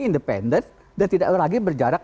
independen dan tidak lagi berjarak